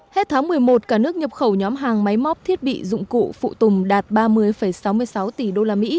hết tháng một mươi một cả nước nhập khẩu nhóm hàng máy móc thiết bị dụng cụ phụ tùng đạt ba mươi sáu mươi sáu tỷ usd